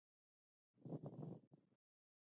زه د اونۍ په پای کې درسونه لولم